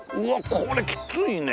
これきついね。